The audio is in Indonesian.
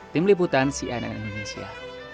tim liputan cnn indonesia